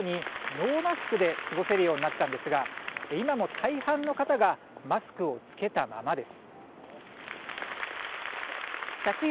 きょうから屋外では、このようにノーマスクで過ごせるようになったんですが、今も大半の方がマスクを着けたままです。